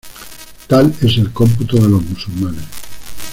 Tal es el cómputo de los musulmanes.